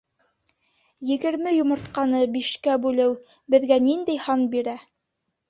— Егерме йомортҡаны бишкә бүлеү беҙгә ниндәй һан бирә?